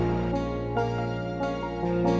nanti kita berjalan